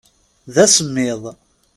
D asemmiḍ.